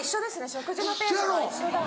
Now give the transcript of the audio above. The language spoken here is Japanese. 食事のペースが一緒だ。